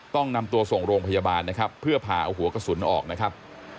ต้องนำตัวส่งโรงพยาบาลนะครับเพื่อผ่าเอาหัวกระสุนออกนะครับ